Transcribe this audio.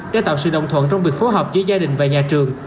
để tạo sự đồng thuận trong việc phối hợp giữa gia đình và nhà trường